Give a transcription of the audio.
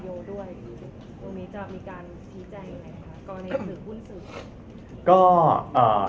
ตรงนี้ชื่อของคุณไวโยด้วยตรงนี้จะมีการพิจัยอะไรนะครับกรณีถือหุ้นสืบ